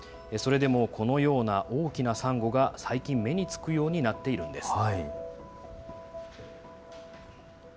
それでも、このような大きなサンゴが、最近目につくようになっているんです。